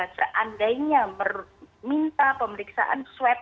seandainya minta pemeriksaan swab